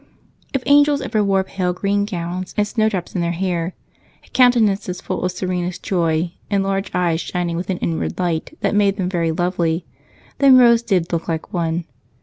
If angels ever wore pale green gowns and snowdrops in their hair, had countenances full of serenest joy, and large eyes shining with an inward light that made them very lovely, then Rose did look like one.